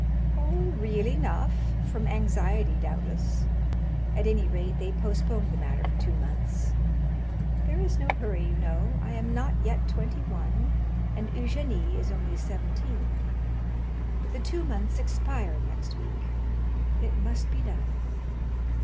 "Oh, real enough, from anxiety doubtless,—at any rate they postponed the matter for two months. There is no hurry, you know. I am not yet twenty one, and Eugénie is only seventeen; but the two months expire next week. It must be done.